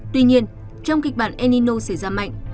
tuy nhiên trong kịch bản el nino xảy ra mạnh